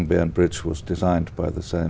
văn hóa việt nam